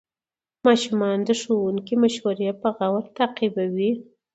ماشومان د ښوونکي مشورې په غور تعقیبوي